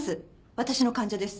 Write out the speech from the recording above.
私の患者です。